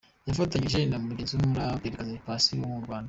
yafatanyije na mugenzi wumuraperikazi Paccy wo mu Rwanda.